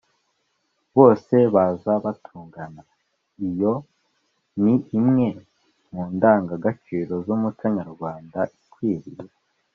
bose baza batugana. iyo ni imwe mu ndangagaciro z’umuco nyarwanda ikwiriye